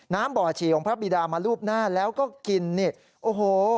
บ่อฉี่ของพระบิดามารูปหน้าแล้วก็กินนี่โอ้โห